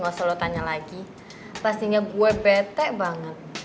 gausah lo tanya lagi pastinya gue bete banget